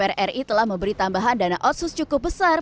dpr ri telah memberi tambahan dana otsus cukup besar